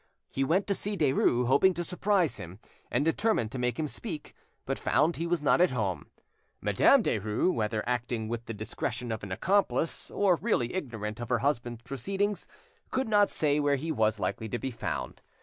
He went to see Derues, hoping to surprise him, and determined to make him speak, but found he was not at home. Madame Derues, whether acting with the discretion of an accomplice or really ignorant of her husband's proceedings, could not say where he was likely to be found.